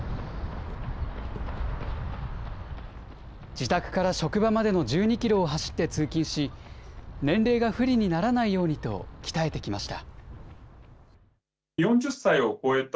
自宅から職場までの１２キロを走って通勤し、年齢が不利にならないようにと鍛えてきました。